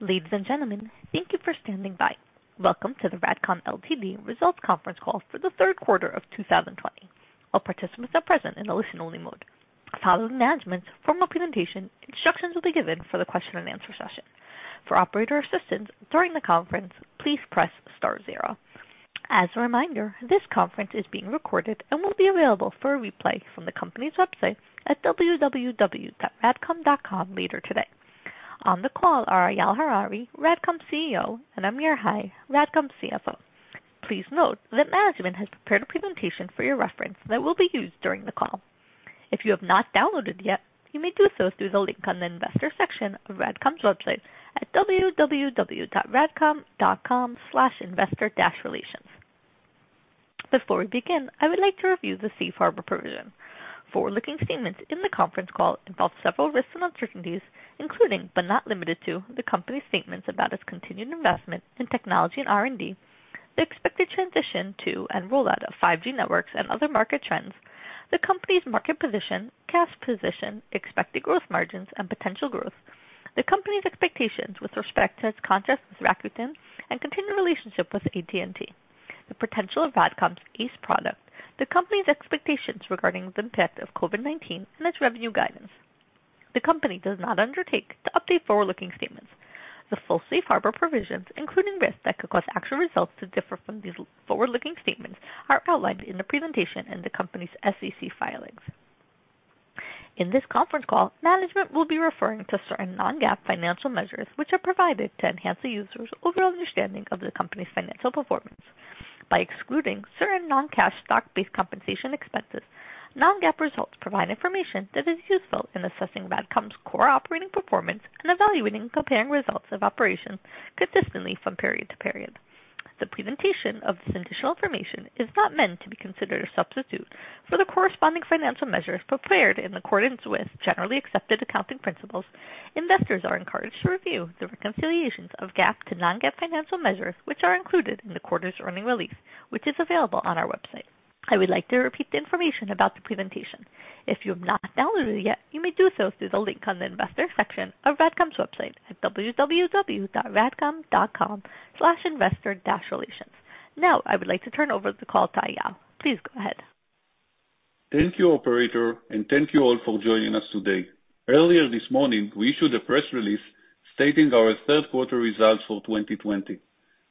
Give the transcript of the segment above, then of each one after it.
Ladies and gentlemen, thank you for standing by. Welcome to the RADCOM Ltd Results Conference Call for the third quarter of 2020. All participants are present in listen-only mode. Following management's formal presentation, instructions will be given for the question and answer session. For operator assistance during the conference, please press star zero. As a reminder, this conference is being recorded and will be available for a replay from the company's website at www.radcom.com later today. On the call are Eyal Harari, RADCOM's CEO, and Amir Hai, RADCOM's CFO. Please note that management has prepared a presentation for your reference that will be used during the call. If you have not downloaded yet, you may do so through the link on the investor section of RADCOM's website at www.radcom.com/investor-relations. Before we begin, I would like to review the Safe Harbor provision. Forward-looking statements in the conference call involve several risks and uncertainties, including but not limited to, the company's statements about its continued investment in technology and R&D, the expected transition to and rollout of 5G networks and other market trends, the company's market position, cash position, expected growth margins, and potential growth, the company's expectations with respect to its contract with Rakuten and continued relationship with AT&T, the potential of RADCOM ACE product, the company's expectations regarding the impact of COVID-19 and its revenue guidance. The company does not undertake to update forward-looking statements. The full Safe Harbor provisions, including risks that could cause actual results to differ from these forward-looking statements, are outlined in the presentation in the company's SEC filings. In this conference call, management will be referring to certain non-GAAP financial measures, which are provided to enhance the user's overall understanding of the company's financial performance. By excluding certain non-cash stock-based compensation expenses, non-GAAP results provide information that is useful in assessing RADCOM's core operating performance and evaluating and comparing results of operations consistently from period to period. The presentation of this additional information is not meant to be considered a substitute for the corresponding financial measures prepared in accordance with Generally Accepted Accounting Principles. Investors are encouraged to review the reconciliations of GAAP to non-GAAP financial measures, which are included in the quarter's earnings release, which is available on our website. I would like to repeat the information about the presentation. If you have not downloaded it yet, you may do so through the link on the investor section of RADCOM's website at www.radcom.com/investor-relations. I would like to turn over the call to Eyal. Please go ahead. Thank you, operator, and thank you all for joining us today. Earlier this morning, we issued a press release stating our third quarter results for 2020.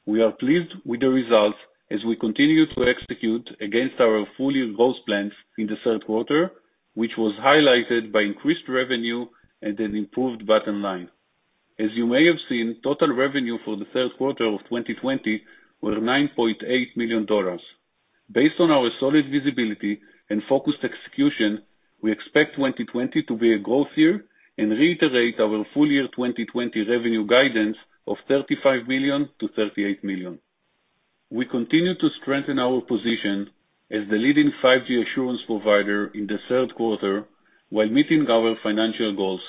We are pleased with the results as we continue to execute against our full year goals plans in the third quarter, which was highlighted by increased revenue and an improved bottom line. As you may have seen, total revenue for the third quarter of 2020 were $9.8 million. Based on our solid visibility and focused execution, we expect 2020 to be a growth year and reiterate our full year 2020 revenue guidance of $35 million-$38 million. We continue to strengthen our position as the leading 5G assurance provider in the third quarter while meeting our financial goals.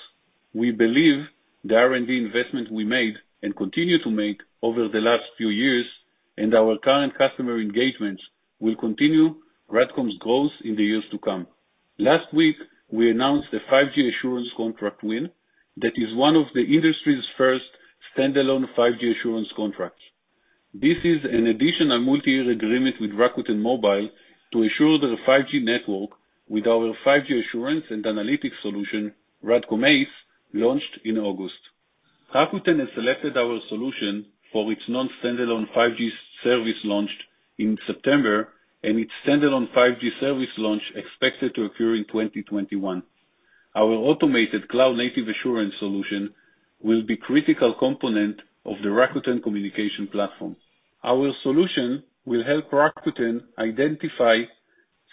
We believe the R&D investment we made and continue to make over the last few years and our current customer engagements will continue RADCOM's growth in the years to come. Last week, we announced a 5G assurance contract win that is one of the industry's first standalone 5G assurance contracts. This is an additional multi-year agreement with Rakuten Mobile to assure their 5G network with our 5G assurance and analytics solution, RADCOM ACE, launched in August. Rakuten has selected our solution for its non-standalone 5G service launched in September and its standalone 5G service launch expected to occur in 2021. Our automated cloud-native assurance solution will be critical component of the Rakuten Communications Platform. Our solution will help Rakuten identify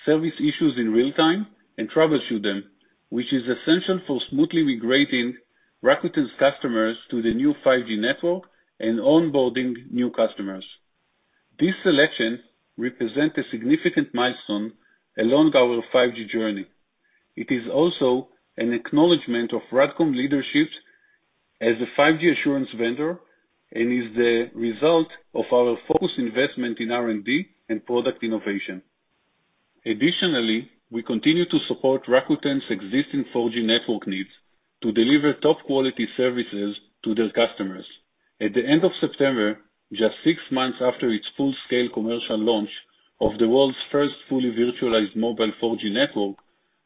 service issues in real-time and troubleshoot them, which is essential for smoothly migrating Rakuten's customers to the new 5G network and onboarding new customers. This selection represent a significant milestone along our 5G journey. It is also an acknowledgment of RADCOM leadership as a 5G assurance vendor and is the result of our focused investment in R&D and product innovation. Additionally, we continue to support Rakuten's existing 4G network needs to deliver top-quality services to their customers. At the end of September, just six months after its full-scale commercial launch of the world's first fully virtualized mobile 4G network,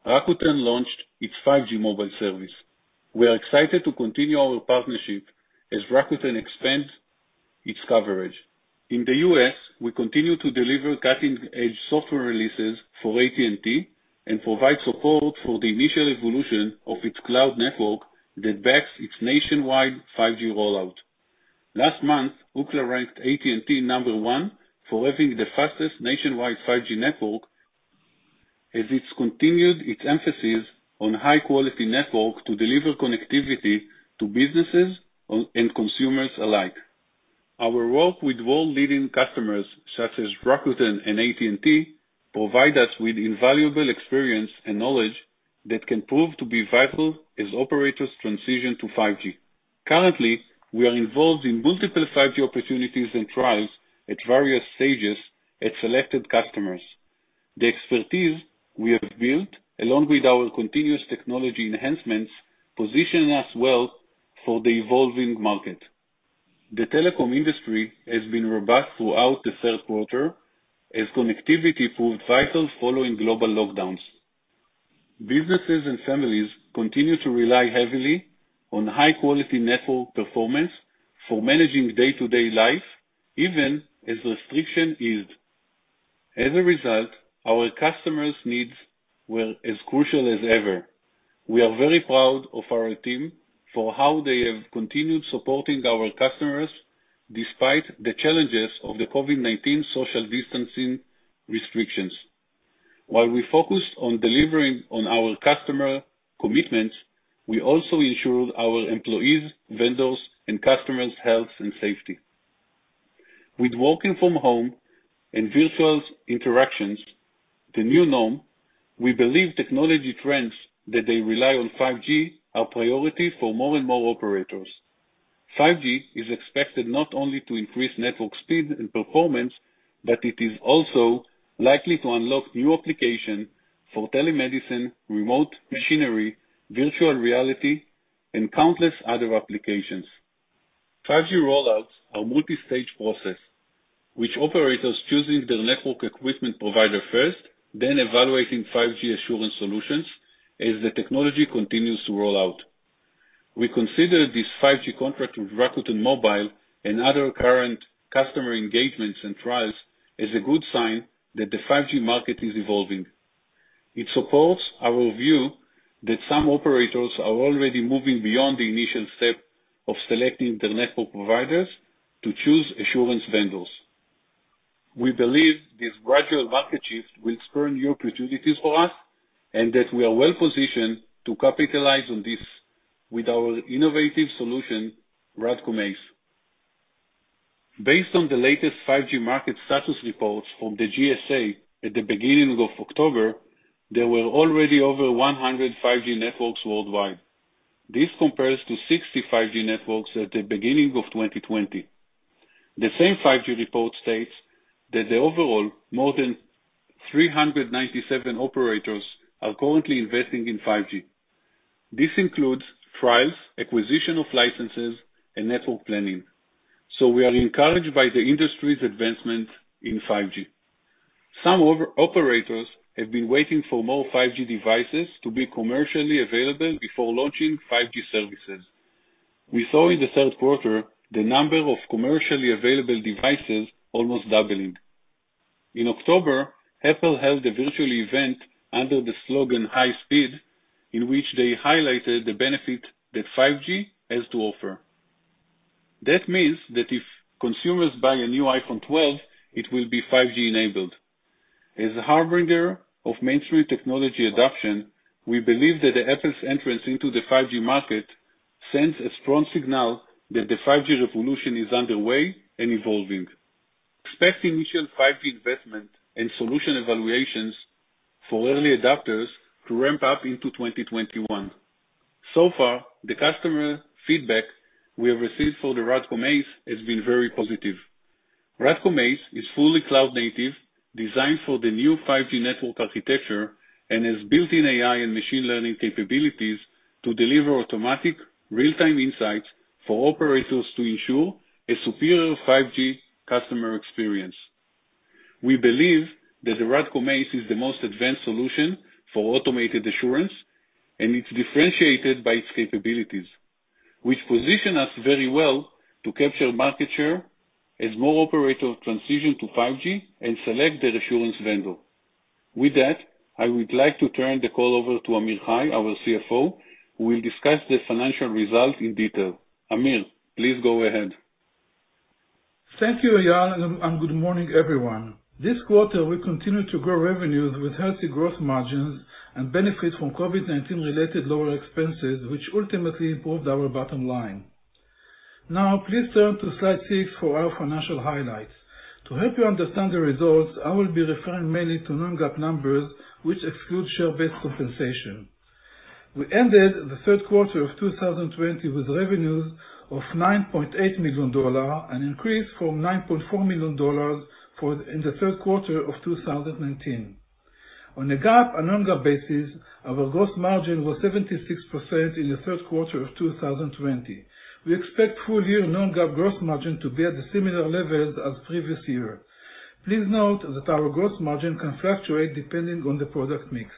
Rakuten launched its 5G mobile service. We are excited to continue our partnership as Rakuten expands its coverage. In the U.S., we continue to deliver cutting-edge software releases for AT&T and provide support for the initial evolution of its cloud network that backs its nationwide 5G rollout. Last month, Ookla ranked AT&T number one for having the fastest nationwide 5G network as it's continued its emphasis on high-quality network to deliver connectivity to businesses and consumers alike. Our work with world-leading customers such as Rakuten and AT&T provide us with invaluable experience and knowledge that can prove to be vital as operators transition to 5G. Currently, we are involved in multiple 5G opportunities and trials at various stages at selected customers. The expertise we have built, along with our continuous technology enhancements, position us well for the evolving market. The telecom industry has been robust throughout the third quarter, as connectivity proved vital following global lockdowns. Businesses and families continue to rely heavily on high-quality network performance for managing day-to-day life, even as restrictions ease. As a result, our customers' needs were as crucial as ever. We are very proud of our team for how they have continued supporting our customers despite the challenges of the COVID-19 social distancing restrictions. While we focused on delivering on our customer commitments, we also ensured our employees, vendors, and customers' health and safety. With working from home and virtual interactions the new norm, we believe technology trends that they rely on 5G are priority for more and more operators. 5G is expected not only to increase network speed and performance, but it is also likely to unlock new application for telemedicine, remote machinery, virtual reality, and countless other applications. 5G rollouts are multi-stage process, which operators choosing their network equipment provider first, then evaluating 5G assurance solutions as the technology continues to roll out. We consider this 5G contract with Rakuten Mobile and other current customer engagements and trials as a good sign that the 5G market is evolving. It supports our view that some operators are already moving beyond the initial step of selecting their network providers to choose assurance vendors. We believe this gradual market shift will spur new opportunities for us and that we are well-positioned to capitalize on this with our innovative solution, RADCOM ACE. Based on the latest 5G market status reports from the GSA at the beginning of October, there were already over 100 5G networks worldwide. This compares to 5G networks at the beginning of 2020. The same 5G report states that the overall more than 397 operators are currently investing in 5G. This includes trials, acquisition of licenses, and network planning. We are encouraged by the industry's advancement in 5G. Some operators have been waiting for more 5G devices to be commercially available before launching 5G services. We saw in the third quarter the number of commercially available devices almost doubling. In October, Apple held a virtual event under the slogan Hi, Speed, in which they highlighted the benefit that 5G has to offer. That means that if consumers buy a new iPhone 12, it will be 5G enabled. As a harbinger of mainstream technology adoption, we believe that Apple's entrance into the 5G market sends a strong signal that the 5G revolution is underway and evolving. Expect initial 5G investment and solution evaluations for early adopters to ramp up into 2021. So far, the customer feedback we have received for the RADCOM ACE has been very positive. RADCOM ACE is fully cloud-native, designed for the new 5G network architecture, and has built-in AI and machine learning capabilities to deliver automatic real-time insights for operators to ensure a superior 5G customer experience. We believe that the RADCOM ACE is the most advanced solution for automated assurance, and it's differentiated by its capabilities, which position us very well to capture market share as more operators transition to 5G and select their assurance vendor. With that, I would like to turn the call over to Amir Hai, our CFO, who will discuss the financial results in detail. Amir, please go ahead. Thank you, Eyal, and good morning, everyone. This quarter, we continued to grow revenues with healthy growth margins and benefit from COVID-19 related lower expenses, which ultimately improved our bottom line. Now, please turn to slide six for our financial highlights. To help you understand the results, I will be referring mainly to non-GAAP numbers, which exclude share-based compensation. We ended the third quarter of 2020 with revenues of $9.8 million, an increase from $9.4 million in the third quarter of 2019. On a GAAP and non-GAAP basis, our gross margin was 76% in the third quarter of 2020. We expect full year non-GAAP gross margin to be at the similar levels as previous year. Please note that our gross margin can fluctuate depending on the product mix.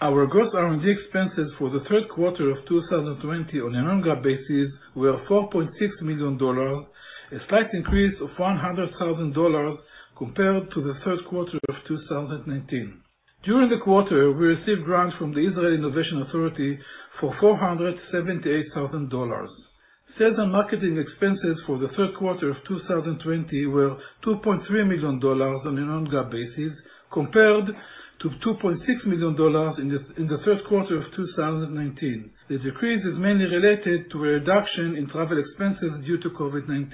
Our gross R&D expenses for the third quarter of 2020 on a non-GAAP basis were $4.6 million, a slight increase of $100,000 compared to the third quarter of 2019. During the quarter, we received grants from the Israel Innovation Authority for $478,000. Sales and marketing expenses for the third quarter of 2020 were $2.3 million on a non-GAAP basis, compared to $2.6 million in the third quarter of 2019. The decrease is mainly related to a reduction in travel expenses due to COVID-19.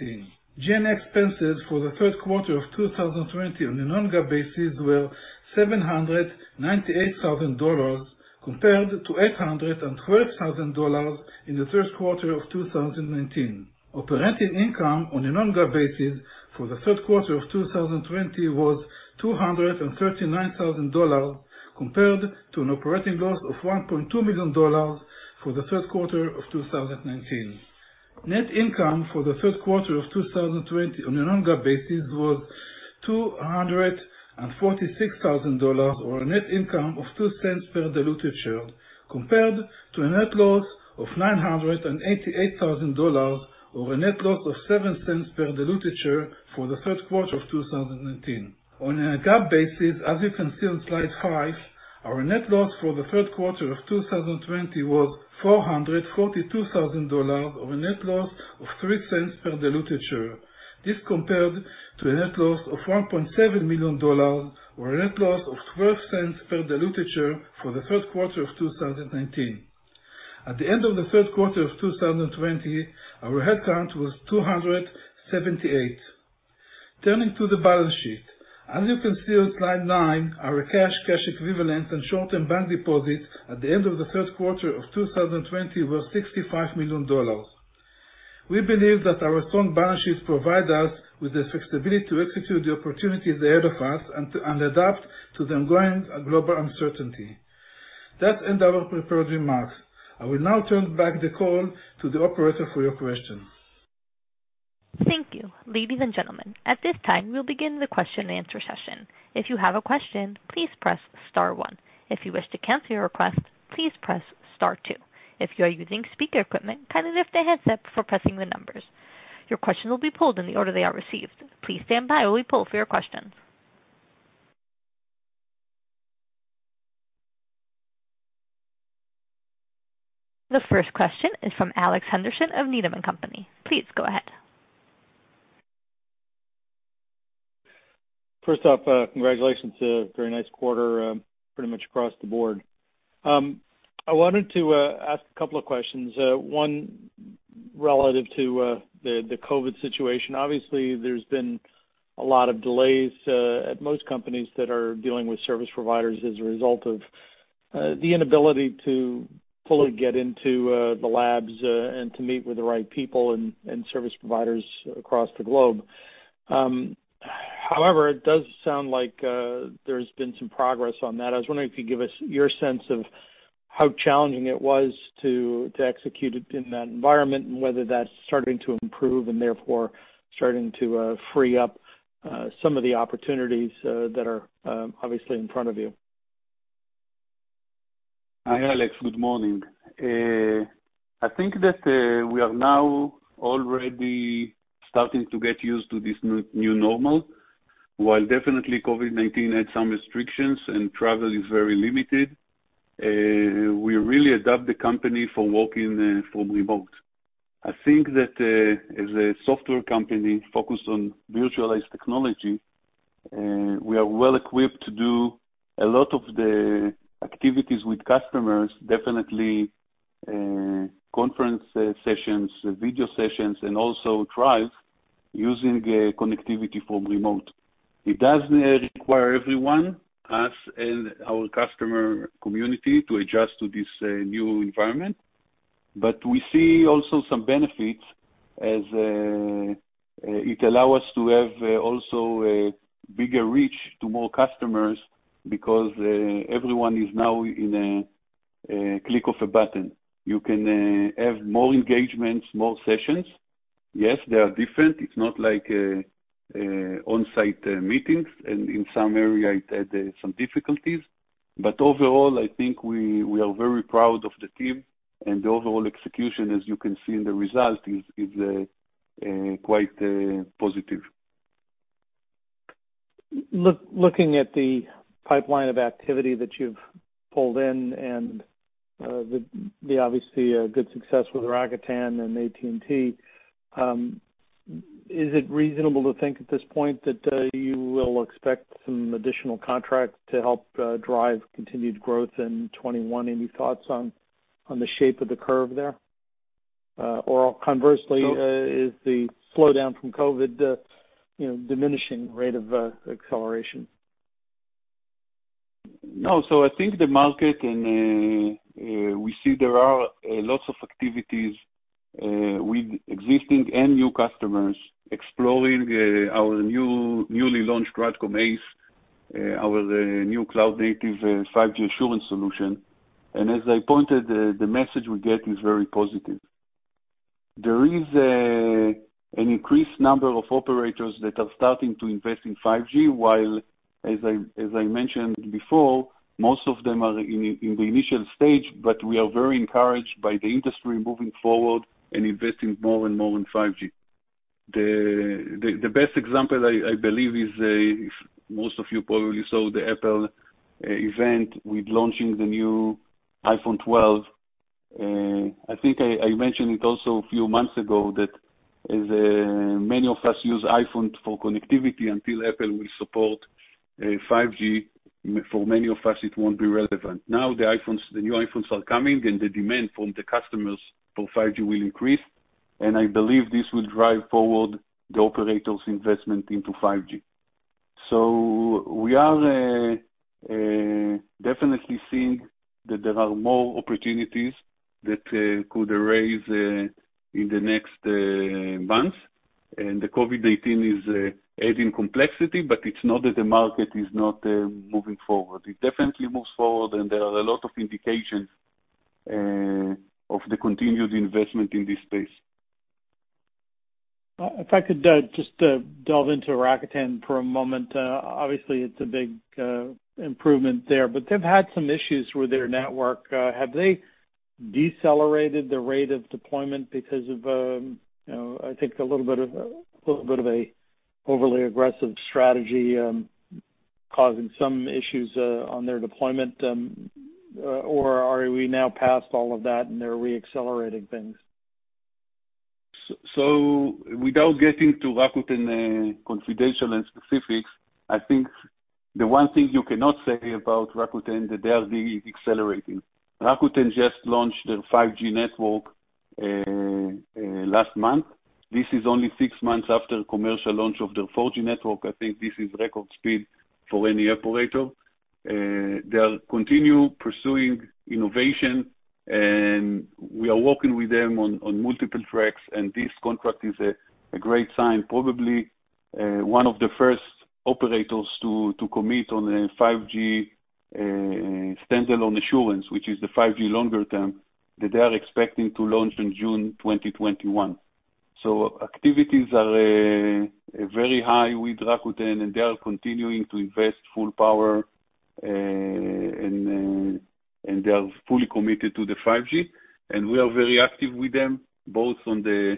General expenses for the third quarter of 2020 on a non-GAAP basis were $798,000, compared to $812,000 in the third quarter of 2019. Operating income on a non-GAAP basis for the third quarter of 2020 was $239,000, compared to an operating loss of $1.2 million for the third quarter of 2019. Net income for the third quarter of 2020 on a non-GAAP basis was $246,000, or a net income of $0.02 per diluted share, compared to a net loss of $988,000, or a net loss of $0.07 per diluted share for the third quarter of 2019. On a GAAP basis, as you can see on slide five, our net loss for the third quarter of 2020 was $442,000, or a net loss of $0.03 per diluted share. This compared to a net loss of $1.7 million, or a net loss of $0.12 per diluted share for the third quarter of 2019. At the end of the third quarter of 2020, our headcount was 278. Turning to the balance sheet. As you can see on slide nine, our cash equivalents, and short-term bank deposits at the end of the third quarter of 2020 were $65 million. We believe that our strong balance sheets provide us with the flexibility to execute the opportunities ahead of us and adapt to the ongoing global uncertainty. That ends our prepared remarks. I will now turn back the call to the operator for your questions. Thank you. Ladies and gentlemen, at this time, we'll begin the question and answer session. If you have a question, please press star one. If you wish to cancel your request, please press star two. If you are using speaker equipment, kindly lift the handset before pressing the numbers. Your questions will be pulled in the order they are received. Please stand by while we pull for your questions. The first question is from Alex Henderson of Needham & Company. Please go ahead. First off, congratulations. A very nice quarter, pretty much across the board. I wanted to ask a couple of questions. One, relative to the COVID-19 situation. Obviously, there's been a lot of delays at most companies that are dealing with service providers as a result of the inability to fully get into the labs and to meet with the right people and service providers across the globe. It does sound like there's been some progress on that. I was wondering if you could give us your sense of how challenging it was to execute it in that environment, and whether that's starting to improve and therefore starting to free up some of the opportunities that are obviously in front of you. Hi, Alex. Good morning. I think that we are now already starting to get used to this new normal. While definitely COVID-19 had some restrictions and travel is very limited, we really adapt the company for working from remote. I think that as a software company focused on virtualized technology, we are well-equipped to do a lot of the activities with customers, definitely conference sessions, video sessions, and also trials using connectivity from remote. It does require everyone, us and our customer community, to adjust to this new environment, but we see also some benefits as it allow us to have also a bigger reach to more customers because everyone is now in a click of a button. You can have more engagements, more sessions. Yes, they are different. It's not like onsite meetings. In some area, it had some difficulties. Overall, I think we are very proud of the team and the overall execution, as you can see in the result, is quite positive. Looking at the pipeline of activity that you've pulled in and the obviously good success with Rakuten and AT&T, is it reasonable to think at this point that you will expect some additional contracts to help drive continued growth in 2021? Any thoughts on the shape of the curve there? Or conversely, is the slowdown from COVID diminishing rate of acceleration? No. I think the market, and we see there are lots of activities with existing and new customers exploring our newly launched RADCOM ACE, our new cloud-native 5G assurance solution. As I pointed, the message we get is very positive. There is an increased number of operators that are starting to invest in 5G, while, as I mentioned before, most of them are in the initial stage. We are very encouraged by the industry moving forward and investing more and more in 5G. The best example, I believe, is most of you probably saw the Apple event with launching the new iPhone 12. I think I mentioned it also a few months ago that as many of us use iPhone for connectivity, until Apple will support 5G, for many of us, it won't be relevant. The new iPhones are coming, the demand from the customers for 5G will increase, I believe this will drive forward the operators' investment into 5G. We are definitely seeing that there are more opportunities that could arise in the next months. The COVID-19 is adding complexity, it's not that the market is not moving forward. It definitely moves forward, there are a lot of indications of the continued investment in this space. If I could just dive into Rakuten for a moment. Obviously, it's a big improvement there, but they've had some issues with their network. Have they decelerated the rate of deployment because of, I think, a little bit of a overly aggressive strategy causing some issues on their deployment? Are we now past all of that and they're re-accelerating things? Without getting to Rakuten confidential and specifics, I think the one thing you cannot say about Rakuten, that they are de-accelerating. Rakuten just launched their 5G network last month. This is only six months after commercial launch of their 4G network. I think this is record speed for any operator. They'll continue pursuing innovation, and we are working with them on multiple tracks, and this contract is a great sign, probably one of the first operators to commit on a 5G standalone assurance, which is the 5G longer-term, that they are expecting to launch in June 2021. Activities are very high with Rakuten, and they are continuing to invest full power, and they are fully committed to the 5G. We are very active with them, both on the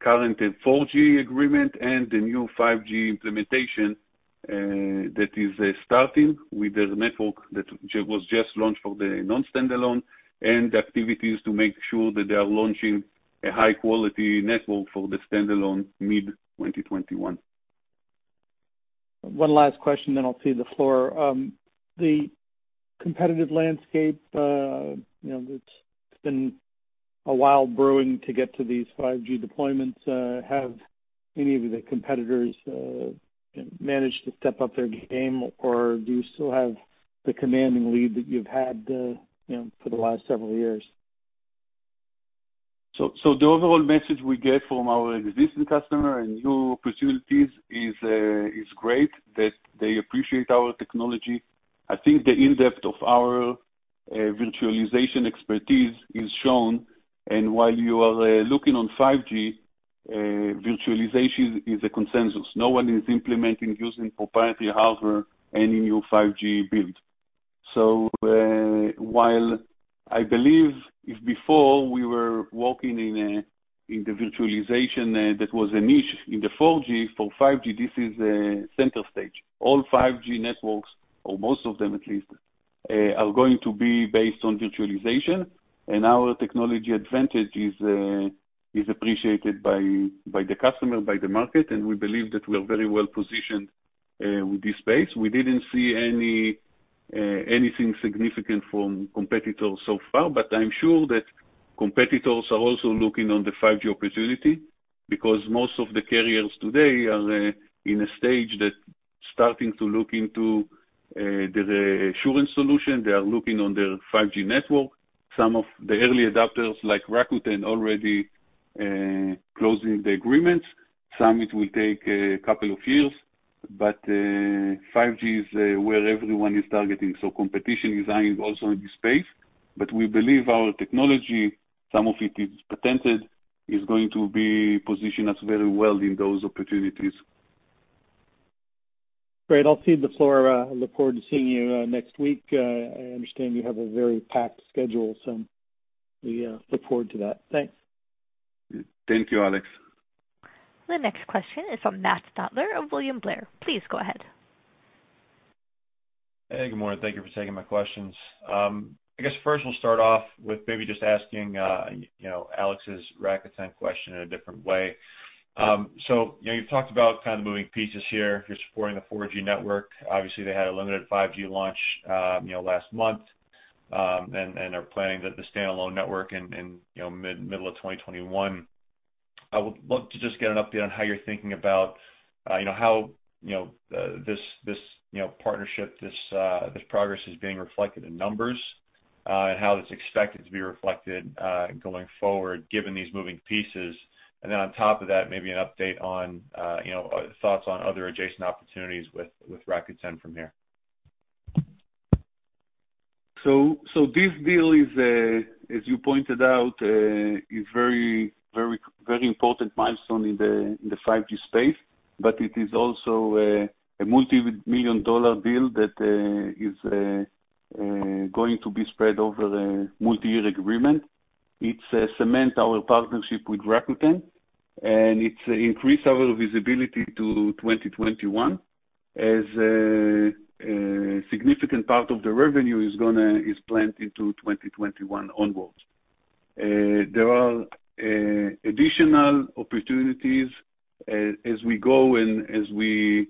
current and 4G agreement and the new 5G implementation that is starting with the network that was just launched for the non-standalone, and activities to make sure that they are launching a high-quality network for the standalone mid-2021. One last question, then I'll cede the floor. The competitive landscape, it's been a while brewing to get to these 5G deployments. Have any of the competitors managed to step up their game, or do you still have the commanding lead that you've had for the last several years? The overall message we get from our existing customer and new opportunities is great, that they appreciate our technology. I think the in-depth of our virtualization expertise is shown, and while you are looking on 5G, virtualization is a consensus. No one is implementing using proprietary hardware, any new 5G build. While I believe if before we were working in the virtualization, that was a niche in the 4G, for 5G, this is a center stage. All 5G networks, or most of them at least, are going to be based on virtualization, and our technology advantage is appreciated by the customer, by the market, and we believe that we are very well-positioned with this space. We didn't see anything significant from competitors so far, but I'm sure that competitors are also looking on the 5G opportunity because most of the carriers today are in a stage that starting to look into the assurance solution. They are looking on their 5G network. Some of the early adopters, like Rakuten, already closing the agreements. Some, it will take a couple of years. 5G is where everyone is targeting, so competition is high also in the space. We believe our technology, some of it is patented, is going to position us very well in those opportunities. Great. I'll cede the floor. I look forward to seeing you next week. I understand you have a very packed schedule, so we look forward to that. Thanks. Thank you, Alex. The next question is from Matt Stotler of William Blair. Please go ahead. Hey, good morning. Thank you for taking my questions. I guess first we'll start off with maybe just asking Alex's Rakuten question in a different way. You've talked about moving pieces here. You're supporting the 4G network. Obviously, they had a limited 5G launch last month, and are planning the standalone network in middle of 2021. I would love to just get an update on how you're thinking about how this partnership, this progress is being reflected in numbers, and how it's expected to be reflected going forward, given these moving pieces. Then on top of that, maybe an update on thoughts on other adjacent opportunities with Rakuten from here. This deal is, as you pointed out, a very important milestone in the 5G space, but it is also a multi-million dollar deal that is going to be spread over a multi-year agreement. It cements our partnership with Rakuten, and it increase our visibility to 2021, as a significant part of the revenue is planned into 2021 onwards. There are additional opportunities as we go and as we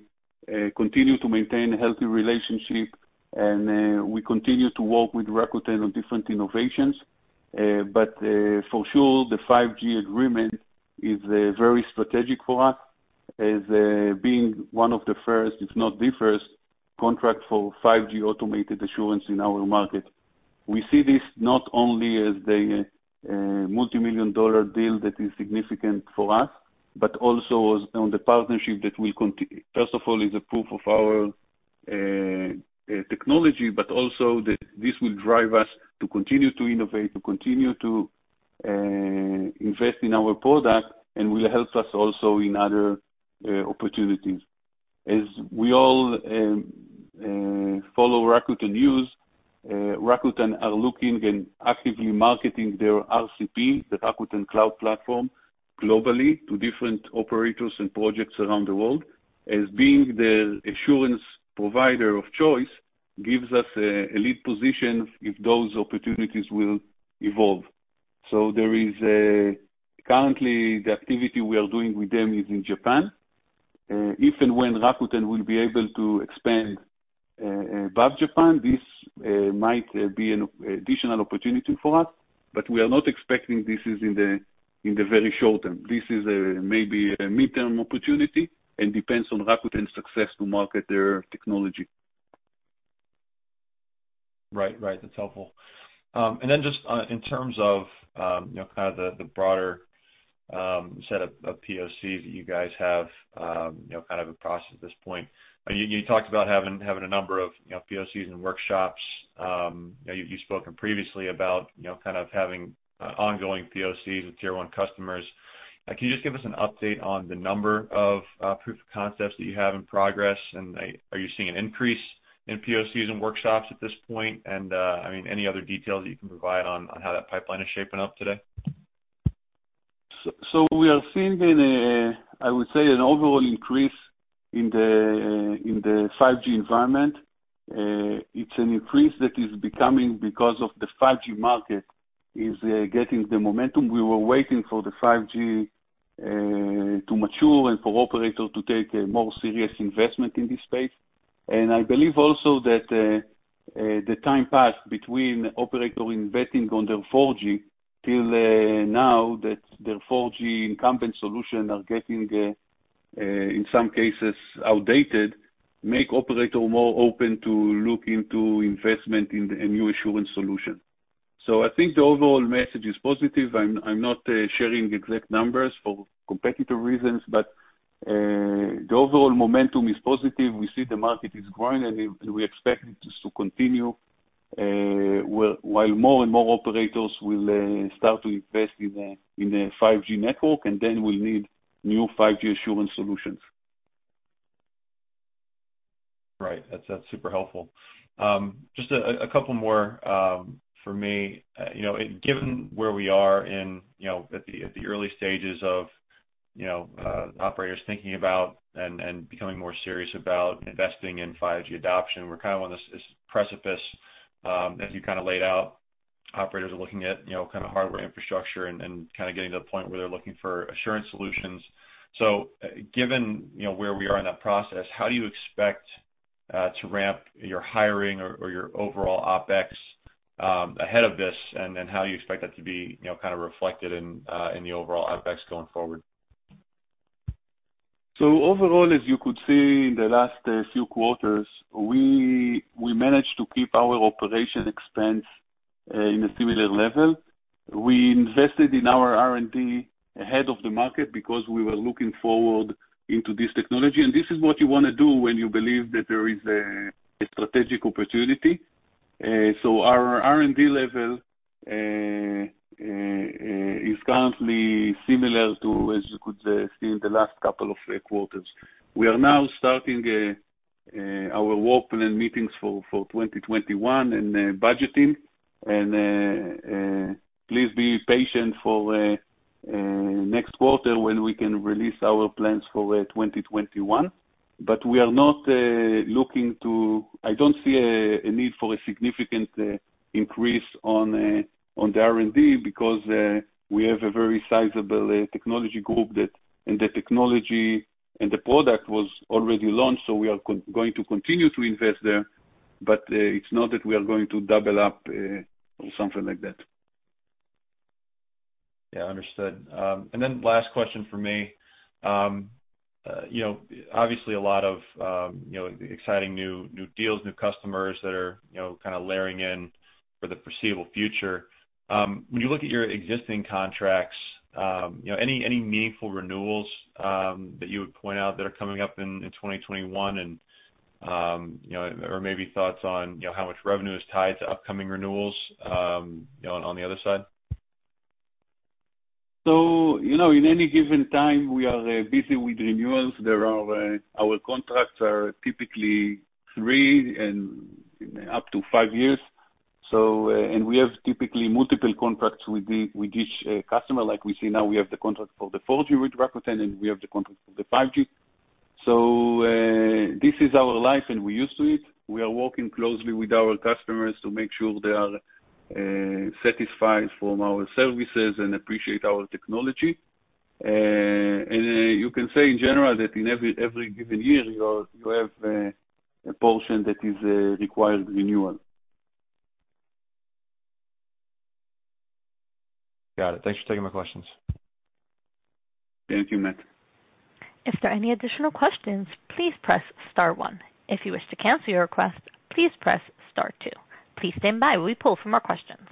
continue to maintain a healthy relationship, and we continue to work with Rakuten on different innovations. For sure, the 5G agreement is very strategic for us. As being one of the first, if not the first, contract for 5G automated assurance in our market. We see this not only as the multimillion-dollar deal that is significant for us, but also on the partnership that will continue, first of all, is a proof of our technology, but also that this will drive us to continue to innovate, to continue to invest in our product, and will help us also in other opportunities. As we all follow Rakuten news, Rakuten are looking and actively marketing their RCP, the Rakuten Cloud Platform, globally to different operators and projects around the world, as being the assurance provider of choice gives us a lead position if those opportunities will evolve. There is currently the activity we are doing with them is in Japan. If and when Rakuten will be able to expand above Japan, this might be an additional opportunity for us, but we are not expecting this is in the very short term. This is maybe a midterm opportunity and depends on Rakuten's success to market their technology. Right. That's helpful. Then just in terms of the broader set of POCs that you guys have across at this point. You talked about having a number of POCs and workshops. You've spoken previously about having ongoing POCs with Tier 1 customers. Can you just give us an update on the number of proof of concepts that you have in progress, and are you seeing an increase in POCs and workshops at this point? Any other details that you can provide on how that pipeline is shaping up today? We are seeing, I would say, an overall increase in the 5G environment. It's an increase that is becoming because of the 5G market is getting the momentum. We were waiting for the 5G to mature and for operators to take a more serious investment in this space. I believe also that the time passed between operator investing on their 4G till now, that their 4G incumbent solution are getting, in some cases, outdated, make operator more open to look into investment in the new assurance solution. I think the overall message is positive. I'm not sharing exact numbers for competitive reasons, but the overall momentum is positive. We see the market is growing, and we expect it to continue, while more and more operators will start to invest in the 5G network, and then will need new 5G assurance solutions. Right. That's super helpful. Just a couple more for me. Given where we are at the early stages of operators thinking about and becoming more serious about investing in 5G adoption, we're on this precipice as you laid out. Operators are looking at hardware infrastructure and getting to the point where they're looking for assurance solutions. Given where we are in that process, how do you expect to ramp your hiring or your overall OpEx ahead of this, and then how you expect that to be reflected in the overall OpEx going forward? Overall, as you could see in the last few quarters, we managed to keep our OpEx in a similar level. We invested in our R&D ahead of the market because we were looking forward into this technology. This is what you want to do when you believe that there is a strategic opportunity. Our R&D level is currently similar to, as you could see in the last couple of quarters. We are now starting our work plan meetings for 2021 and budgeting, please be patient for next quarter when we can release our plans for 2021. I don't see a need for a significant increase on the R&D because, we have a very sizable technology group that, and the technology and the product was already launched, we are going to continue to invest there. It's not that we are going to double up or something like that. Yeah, understood. Last question from me. Obviously, a lot of exciting new deals, new customers that are layering in for the foreseeable future. When you look at your existing contracts, any meaningful renewals that you would point out that are coming up in 2021 and, or maybe thoughts on how much revenue is tied to upcoming renewals on the other side? In any given time, we are busy with renewals. Our contracts are typically three and up to five years. We have typically multiple contracts with each customer. Like we see now, we have the contract for the 4G with Rakuten, and we have the contract for the 5G. This is our life, and we're used to it. We are working closely with our customers to make sure they are satisfied from our services and appreciate our technology. You can say in general that in every given year, you have a portion that is a required renewal. Got it. Thanks for taking my questions. Thank you, Matt. If there are any additional questions, please press star one. If you wish to cancel your request, please press star two. Please stand by while we pull for more questions.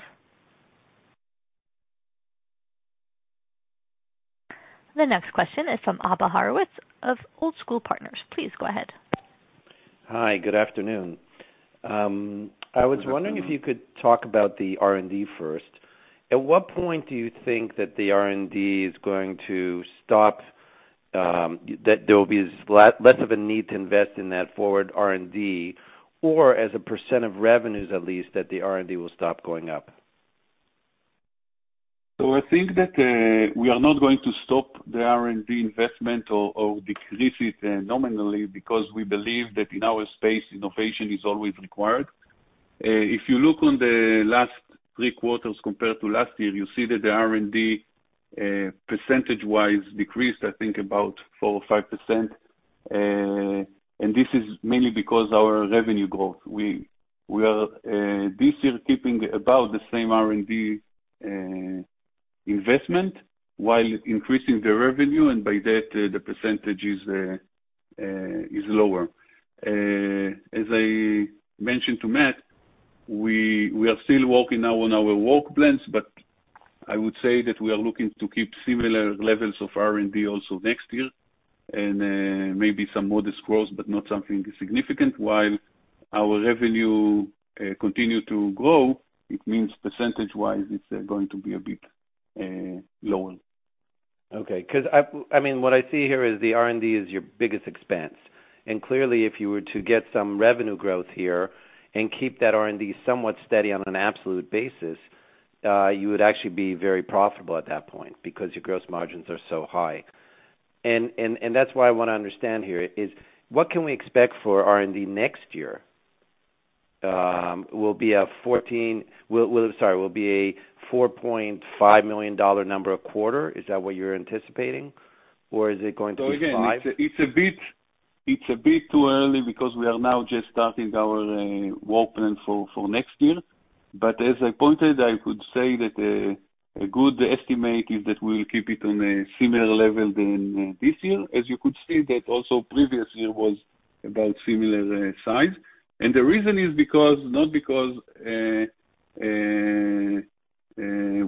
The next question is from Abba Horovitz of Old School Partners. Please go ahead. Hi. Good afternoon. Good afternoon. I was wondering if you could talk about the R&D first. At what point do you think that the R&D is going to stop, that there will be less of a need to invest in that forward R&D, or as a % of revenues, at least, that the R&D will stop going up? I think that we are not going to stop the R&D investment or decrease it nominally because we believe that in our space, innovation is always required. If you look on the last three quarters compared to last year, you see that the R&D, percentage-wise, decreased, I think about 4% or 5%. This is mainly because our revenue growth. We are, this year, keeping about the same R&D investment while increasing the revenue, and by that, the percentage is lower. As I mentioned to Matt, we are still working now on our work plans, but I would say that we are looking to keep similar levels of R&D also next year, and maybe some modest growth, but not something significant. While our revenue continue to grow, it means percentage-wise, it's going to be a bit low. Okay. What I see here is the R&D is your biggest expense. Clearly, if you were to get some revenue growth here and keep that R&D somewhat steady on an absolute basis, you would actually be very profitable at that point because your gross margins are so high. That's why I want to understand here is, what can we expect for R&D next year? Will it be a $4.5 million number a quarter? Is that what you're anticipating? Or is it going to be five? Again, it's a bit too early because we are now just starting our work plan for next year. As I pointed, I could say that a good estimate is that we'll keep it on a similar level than this year. As you could see that also previous year was about similar size. The reason is not because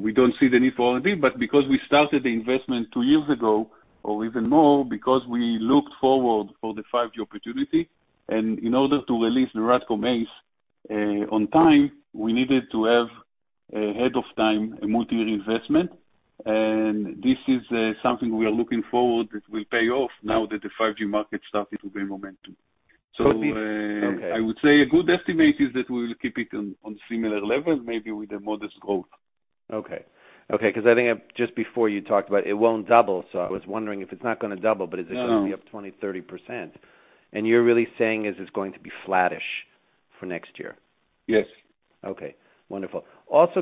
we don't see the need for R&D, but because we started the investment two years ago, or even more, because we looked forward for the 5G opportunity. In order to release the RADCOM ACE on time, we needed to have ahead of time a multi-year investment. This is something we are looking forward that will pay off now that the 5G market started to gain momentum. I would say a good estimate is that we'll keep it on similar levels, maybe with a modest growth. Okay. I think just before you talked about it won't double, I was wondering if it's not going to double. No. Going to be up 20%, 30%? You're really saying is it's going to be flattish for next year. Yes. Okay. Wonderful.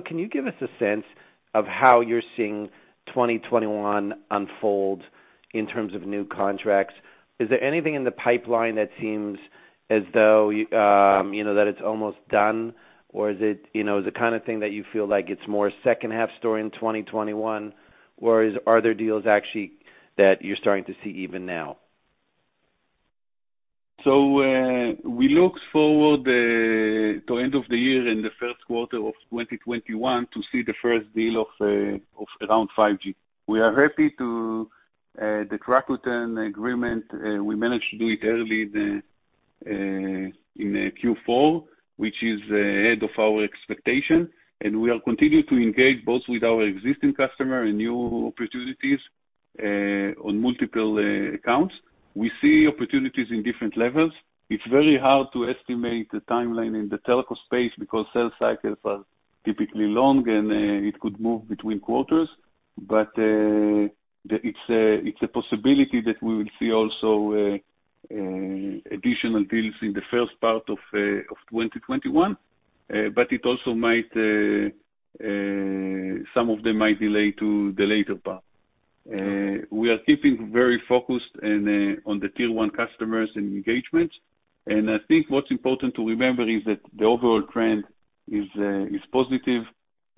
Can you give us a sense of how you're seeing 2021 unfold in terms of new contracts? Is there anything in the pipeline that seems as though that it's almost done? Is it the kind of thing that you feel like it's more a second half story in 2021? Are there deals actually that you're starting to see even now? We look forward to end of the year in the first quarter of 2021 to see the first deal of around 5G. We are happy to the Rakuten agreement. We managed to do it early in Q4, which is ahead of our expectation, and we are continuing to engage both with our existing customer and new opportunities on multiple accounts. We see opportunities in different levels. It's very hard to estimate the timeline in the telco space because sales cycles are typically long, and it could move between quarters. It's a possibility that we will see also additional deals in the first part of 2021, but some of them might delay to the later part. We are keeping very focused on the Tier 1 customers and engagements, and I think what's important to remember is that the overall trend is positive.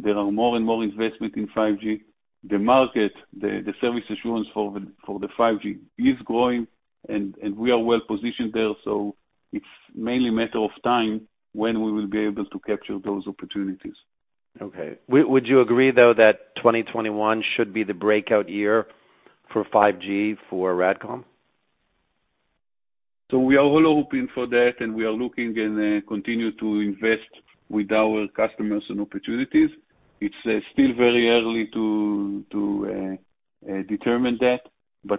There are more and more investment in 5G. The market, the service assurance for the 5G is growing, and we are well-positioned there, so it's mainly a matter of time when we will be able to capture those opportunities. Okay. Would you agree, though, that 2021 should be the breakout year for 5G for RADCOM? We are all hoping for that, and we are looking and continue to invest with our customers and opportunities. It is still very early to determine that.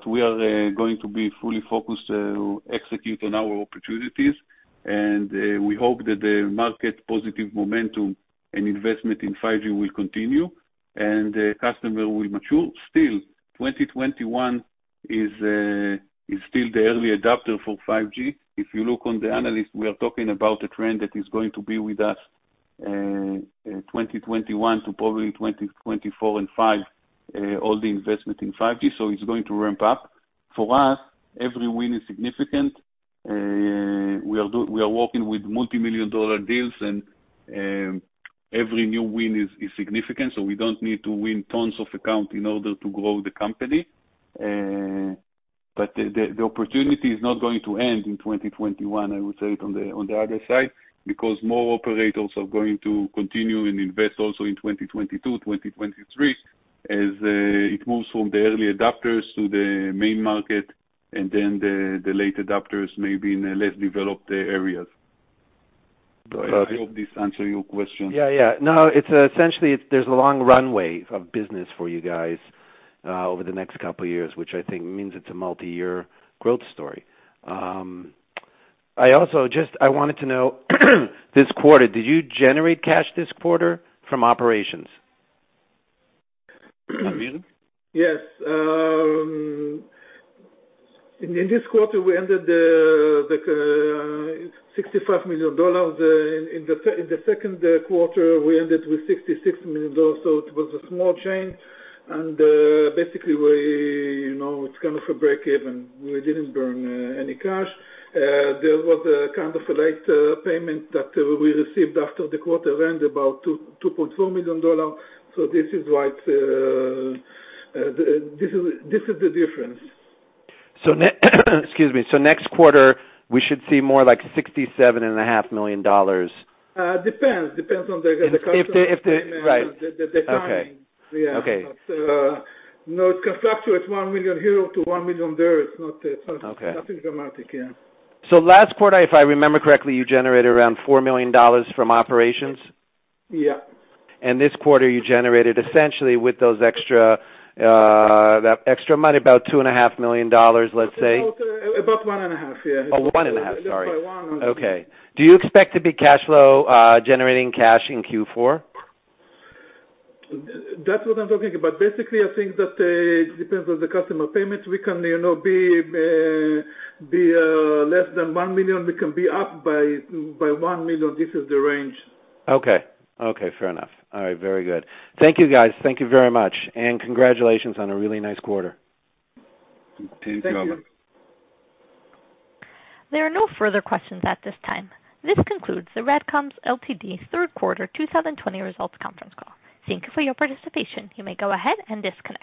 We are going to be fully focused to execute on our opportunities, and we hope that the market positive momentum and investment in 5G will continue, and the customer will mature. Still, 2021 is still the early adopter for 5G. If you look at the analysts, we are talking about a trend that is going to be with us 2021 to probably 2024 and 2025. All the investment in 5G. It is going to ramp up. For us, every win is significant. We are working with multimillion-dollar deals and every new win is significant. We do not need to win tons of accounts in order to grow the company. The opportunity is not going to end in 2021, I will say it on the other side, because more operators are going to continue and invest also in 2022, 2023, as it moves from the early adopters to the main market and then the late adopters maybe in less developed areas. I hope this answer your question. Yeah. Essentially, there's a long runway of business for you guys over the next couple of years, which I think means it's a multi-year growth story. I wanted to know this quarter, did you generate cash this quarter from operations? Amir? Yes. In this quarter, we ended $65 million. In the second quarter, we ended with $66 million. It was a small change and basically, it's kind of a break even. We didn't burn any cash. There was a kind of a late payment that we received after the quarter ended, about $2.4 million. This is the difference. Excuse me. Next quarter, we should see more like $67.5 million. Depends on the customer timing. Okay. It can fluctuate $1 million here to $1 million there. Nothing dramatic. Last quarter, if I remember correctly, you generated around $4 million from operations? Yeah. This quarter, you generated essentially with that extra money, about $2.5 million, let's say. About one and a half, yeah. One and a half. Less by one. Sorry. Okay. Do you expect to be cash flow generating cash in Q4? That's what I'm talking about. Basically, I think that it depends on the customer payments. We can be less than $1 million, we can be up by $1 million. This is the range. Okay. Fair enough. All right, very good. Thank you, guys. Thank you very much, and congratulations on a really nice quarter. Thank you, Amir. Thank you. There are no further questions at this time. This concludes the RADCOM Ltd third quarter 2020 results conference call. Thank you for your participation. You may go ahead and disconnect.